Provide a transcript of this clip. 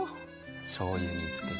しょうゆにつけて。